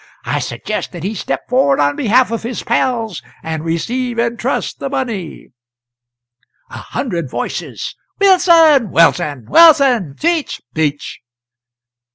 I suggest that he step forward on behalf of his pals, and receive in trust the money." A Hundred Voices. "Wilson! Wilson! Wilson! Speech! Speech!"